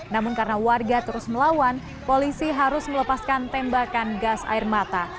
namun karena warga terus melawan polisi harus melepaskan tembakan gas air mata